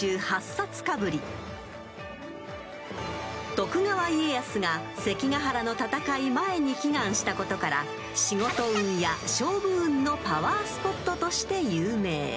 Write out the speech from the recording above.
［徳川家康が関ヶ原の戦い前に祈願したことから仕事運や勝負運のパワースポットとして有名］